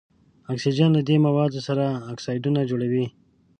اکسیجن له دې موادو سره اکسایدونه جوړوي.